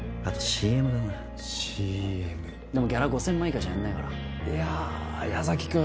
あとＣＭだなＣＭでもギャラ５０００万以下じゃやんないからやあ矢崎君